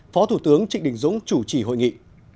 phó thủ tướng trịnh đình dũng chủ trì hội nghị